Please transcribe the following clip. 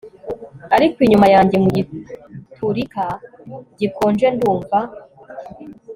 Ariko inyuma yanjye mugiturika gikonje ndumva